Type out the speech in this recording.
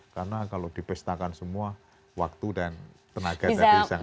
karena kalau dipestakan semua waktu dan tenaga tidak bisa aset batas